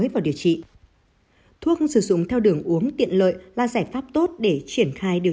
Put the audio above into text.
vào điều trị thuốc sử dụng theo đường uống tiện lợi là giải pháp tốt để triển khai điều